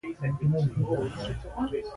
منظور پښتین یو سیاسي مشر دی.